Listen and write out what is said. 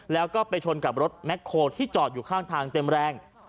แล้วก็ไปชนกับรถแคลที่จอดอยู่ข้างทางเต็มแรง